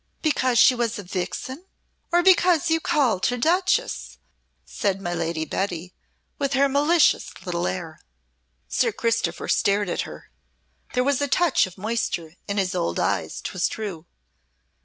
"Because she was a vixen, or because you called her Duchess?" said my Lady Betty, with her malicious little air. Sir Christopher stared at her; there was a touch of moisture in his old eyes, 'twas true!